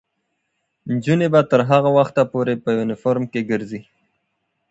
نجونې به تر هغه وخته پورې په یونیفورم کې ګرځي.